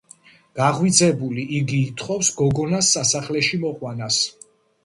გაღვიძებული, იგი ითხოვს გოგონას სასახლეში მოყვანას.